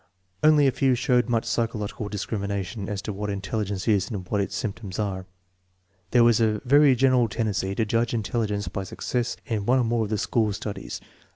Only a few showed much psychological dis crimination as to what intelligence is and what its symp toms are. There was a very general tendency to judge intelligence by success in one or more of the school studies.